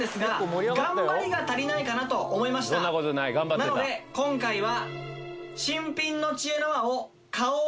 なので今回は。